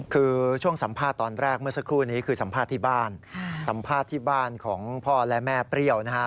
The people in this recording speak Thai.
คือช่วงสัมภาษณ์ตอนแรกเมื่อสักครู่นี้คือสัมภาษณ์ที่บ้านสัมภาษณ์ที่บ้านของพ่อและแม่เปรี้ยวนะฮะ